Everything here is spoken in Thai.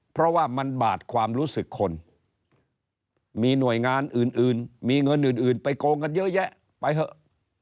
เพราะว่ามันบาดความรู้สึกคนมีหน่วยงานอื่นมีเงินอื่นไปโกงกันเยอะแยะไปเถอะ